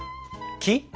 木？